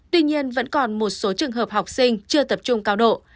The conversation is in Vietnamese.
tuy nhiên vẫn còn một số trường hợp học sinh chưa tập trung cao độ